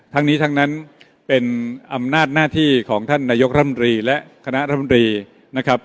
ทั้งนี้ทั้งนั้นเป็นอำนาจหน้าที่ของท่านนายกรัมรีและคณะรัฐมนตรีนะครับ